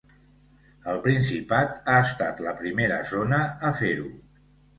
El Principat ha estat la primera zona a fer-ho.